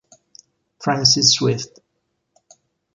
Francie Swift